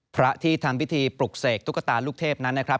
พระที่ทำพิธีปลุกเสกตุ๊กตาลูกเทพนั้นนะครับ